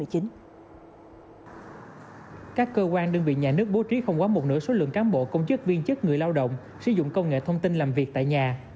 các cơ quan đơn vị nhà nước bố trí không quá một nửa số lượng cán bộ công chức viên chức người lao động sử dụng công nghệ thông tin làm việc tại nhà